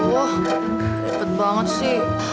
wah ribet banget sih